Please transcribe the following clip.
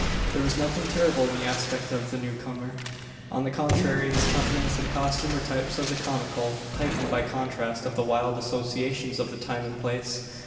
There was nothing terrible in the aspect of the new comer. On the contrary, his countenance and costume were types of the comical, heightened by contrast with the wild associations of the time and place.